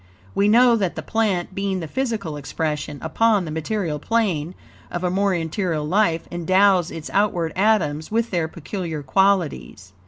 We know that the plant, being the physical expression upon the material plane of a more interior life, endows its outward atoms with their peculiar qualities.